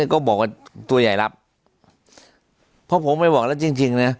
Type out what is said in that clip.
ก็บอกว่าตัวใหญ่รับเพราะผมไม่บอกแล้วจริงจริงนะ